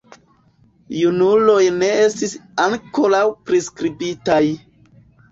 Junuloj ne estis ankoraŭ priskribitaj.